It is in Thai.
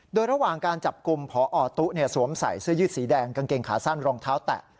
โดยระหว่างการจับกลุ่มพอตุ๊สวมใส่เสื้อยืดสีแดงกางเกงขาสั้นรองเท้าแตะ